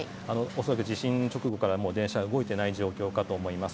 恐らく地震直後から電車が動いていない状況かと思います。